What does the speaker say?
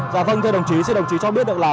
dạ vâng thưa đồng chí xin đồng chí cho biết được là